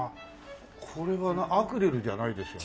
これはアクリルじゃないですよね？